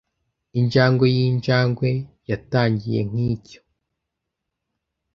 Injangwe y'injangwe yatangiye nk'icyo